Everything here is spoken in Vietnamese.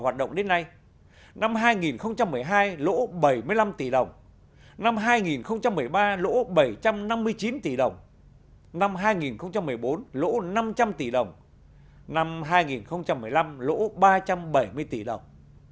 năm hai nghìn một mươi hai lỗ bảy mươi năm tỷ đồng năm hai nghìn một mươi ba lỗ bảy trăm năm mươi chín tỷ đồng năm hai nghìn một mươi bốn lỗ năm trăm linh tỷ đồng năm hai nghìn một mươi năm lỗ ba trăm bảy mươi tỷ đồng